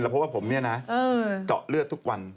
เพราะว่าผมเนี่ยนะเจาะเลือดทุกวัน